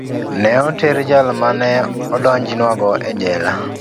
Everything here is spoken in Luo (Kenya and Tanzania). Ne oter jal ma ne odonjnwano e jela.